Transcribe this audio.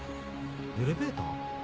エレベーター？